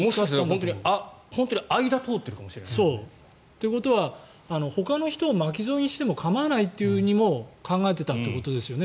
本当に間を通っているかもしれないですね。ということはほかの人を巻き添えにしても構わないとも考えてたということですよね。